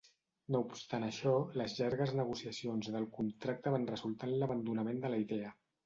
No obstant això, les llargues negociacions del contracte van resultar en l'abandonament de la idea.